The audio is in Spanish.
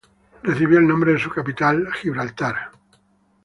Recibió el nombre de su capital Gibraltar.